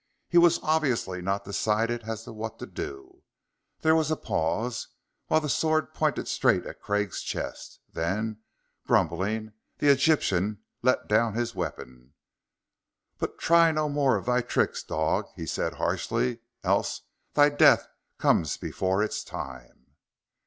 He was obviously not decided as to what to do. There was a pause, while the sword pointed straight at Craig's chest; then, grumbling, the Egyptian let down his weapon. "But try no more of thy tricks, dog!" he said harshly. "Else thy death come before its time!"